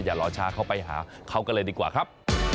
อย่ารอช้าเข้าไปหาเขากันเลยดีกว่าครับ